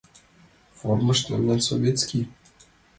Формышт мемнан, советский.